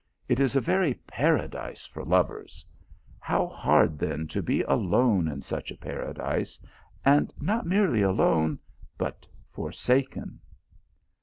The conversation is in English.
It is a very Paradise for lovers; how hard then to be alone in such a Paradise ; and not merely alone, but forsaken.